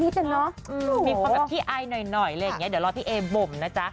มีความแบบขี้อายหน่อยอะไรอย่างนี้เดี๋ยวรอพี่เอบ่มนะจ๊ะ